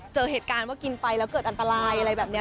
เจอเหตุการณ์ว่ากินไปแล้วเกิดอันตรายอะไรแบบนี้